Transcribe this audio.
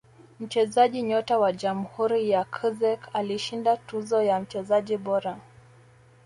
mchezaji nyota wa Jamhuri ya Czech alishinda tuzo ya mchezaji bora